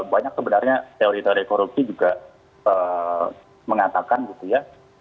banyak sebenarnya teori teori korupsi juga mengatakan gitu ya